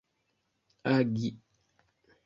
agi